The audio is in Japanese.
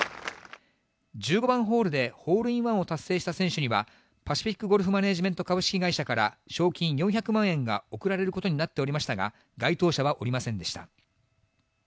１５番ホールでホールインワンを達成した選手には、パシフィックゴルフマネージメント株式会社から、賞金４００万円が贈られることになっておりましたが、該当者はおりませんでした。